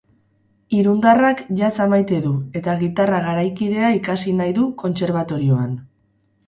Irundarrak jazza maite du eta gitarra garaikidea ikasi nahi du kontserbatorioan.